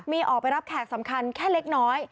มีออกไปรับแขกสำคัญแค่เล็กน้อย